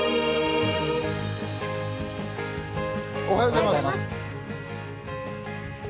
おはようございます。